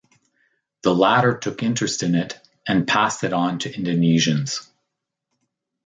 The latter took interest in it and passed it on to Indonesians.